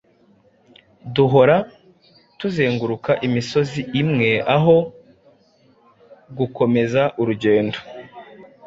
Duhora tuzenguruka imisozi imwe aho gukomeza urugendo.